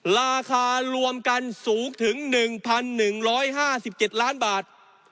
ราคารวมกันสูงถึง๑๑๕๗ล้านบาท